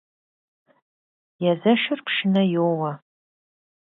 Езэшыр пшынэ йоуэ.